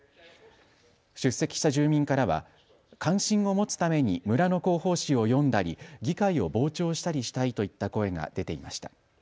出席した住民からは関心を持つために村の広報紙を読んだり議会を傍聴したりしたいといった声が出ていました。